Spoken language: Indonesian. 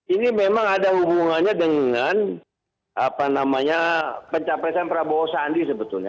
ini memang ada hubungannya dengan pencapresan prabowo sandi sebetulnya